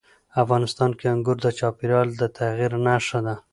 افغانستان کې انګور د چاپېریال د تغیر نښه ده.